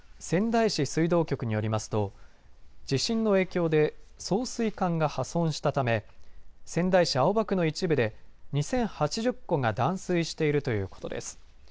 仙台市水道局によりますと地震の影響で送水管が破損したため仙台市青葉区の一部で２０８０戸が断水しているということです。